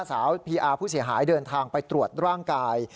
พีอาร์ผู้เสียหายเดินทางไปตรวจร่างกาย